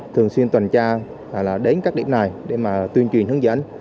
thường xuyên tuần tra là đến các điểm này để mà tuyên truyền hướng dẫn